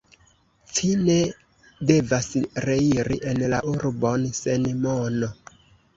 Ci ne devas reiri en la urbon sen mono.